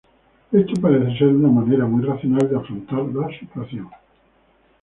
Esto parece ser una manera muy racional de afrontar la situación.